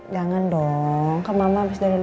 jangan dong kemama habis dari luar